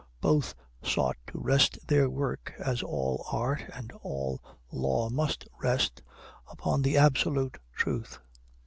Both sought to rest their work, as all art and all law must rest, upon the absolute truth.